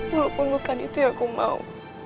walaupun bukan itu yang aku mau